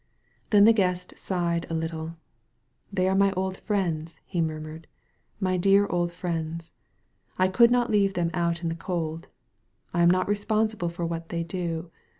Then the Guest sighed a little. *^They are my old friends," he murmured, "my dear old friends! I could not leave them out in the cold. I am not responsible for what they do.